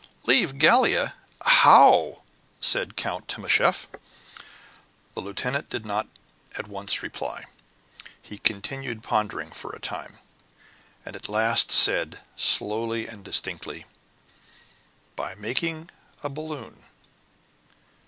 "Leave Gallia! How?" said Count Timascheff. The lieutenant did not at once reply. He continued pondering for a time, and at last said, slowly and distinctly, "By making a balloon!"